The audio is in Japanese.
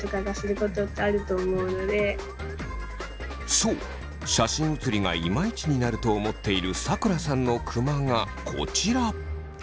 そう写真写りがイマイチになると思っているさくらさんのクマがこちら。